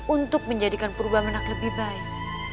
untuk menjadikan purba menang lebih baik